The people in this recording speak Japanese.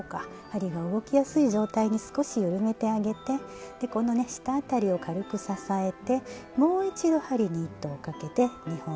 針が動きやすい状態に少し緩めてあげてでこの下辺りを軽く支えてもう一度針に糸をかけて２本とも抜きます。